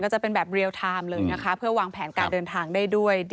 จะเป็นแบบเรียลไทม์เลยนะคะเพื่อวางแผนการเดินทางได้ด้วย